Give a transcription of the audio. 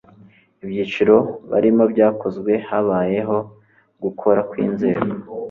ibyiciro barimo byakozwe habayeho gukoraa kw'inzego